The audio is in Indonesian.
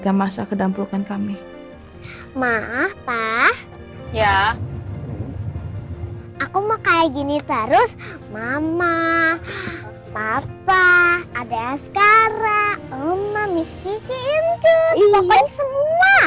kami maaf pak ya aku mau kayak gini terus mama papa ada sekarang om mami segini itu